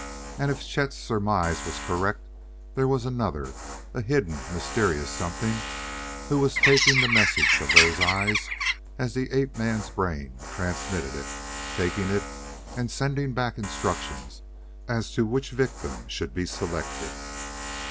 And if Chet's surmise was correct, there was another a hidden, mysterious something who was taking the message of those eyes as the ape man's brain transmitted it; taking it and sending back instructions as to which victims should be selected.